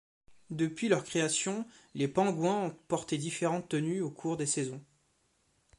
Depuis leur création, les Penguins ont porté différentes tenues au cours des saisons.